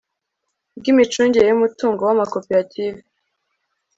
bw imicungire y umutungo w amakoperative